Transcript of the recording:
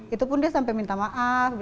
itu pun dia sampai minta maaf